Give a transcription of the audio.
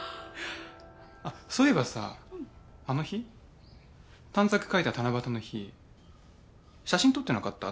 あっそういえばさあの日短冊書いた七夕の日写真撮ってなかった？